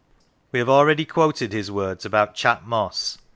We have already quoted his words about Chat Moss.